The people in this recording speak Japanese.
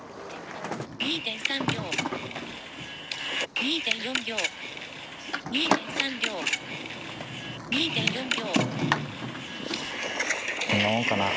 ２．４秒、２．３秒、２．４秒。